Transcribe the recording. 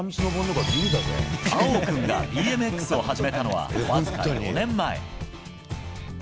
葵央君がＢＭＸを始めたのはわずか４年前。